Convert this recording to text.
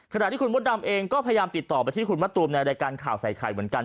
ขณะที่คุณมดดำเองก็พยายามติดต่อไปที่คุณมะตูมในรายการข่าวใส่ไข่เหมือนกัน